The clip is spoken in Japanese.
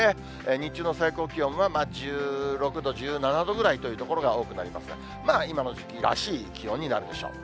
日中の最高気温は１６度、１７度ぐらいという所が多くなりますが、まあ、今の時期らしい気温になるでしょう。